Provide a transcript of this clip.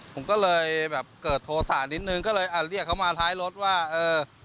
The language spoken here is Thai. ผมก็เลยแบบเกิดโทษะนิดนึงก็เลยอ่ะเรียกเขามาท้ายรถว่าเออ